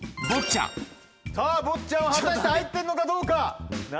さぁ『坊っちゃん』は果たして入ってるのかどうか？